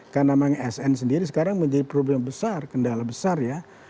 karena memang sn sendiri sekarang menjadi problem besar kendala besar ya